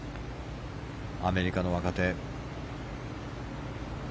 アメリカの若手。